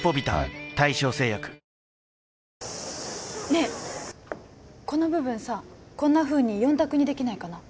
ねえこの部分さこんなふうに４択にできないかな？